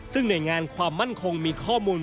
ซึ่งหน่วยงานความมั่นคงมีข้อมูล